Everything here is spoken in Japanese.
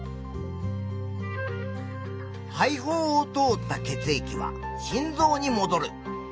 肺胞を通った血液は心臓にもどる。